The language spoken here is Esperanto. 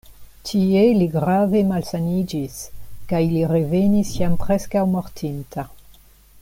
Tie li grave malsaniĝis kaj li revenis jam preskaŭ mortinta.